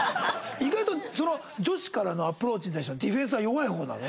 意外と女子からのアプローチに対してはディフェンスは弱い方なの？